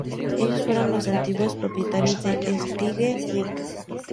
Ellos fueron los antiguos propietarios de Spiegel Inc.